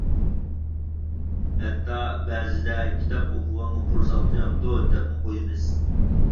ھەتتا بەزىدە «كىتاب ئوقۇغانغا قورساق تۇيامدۇ؟ » دەپمۇ قويمىز.